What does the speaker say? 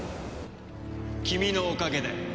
君のおかげだよ。